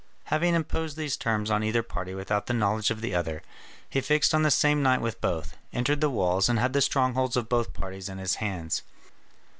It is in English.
Having imposed these terms on either party without the knowledge of the other, he fixed on the same night with both, entered the walls, and had the strongholds of both parties in his hands.